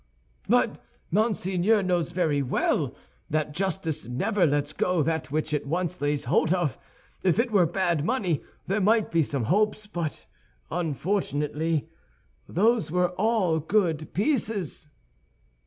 "But Monseigneur knows very well that justice never lets go that which it once lays hold of. If it were bad money, there might be some hopes; but unfortunately, those were all good pieces."